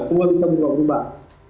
semua bisa berubah ubah